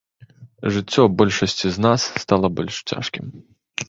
Жыццё большасці з нас стала больш цяжкім.